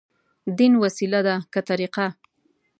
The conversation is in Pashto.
دين وسيله ده، که طريقه؟